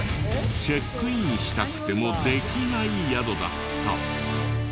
チェックインしたくてもできない宿だった。